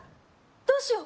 どうしよう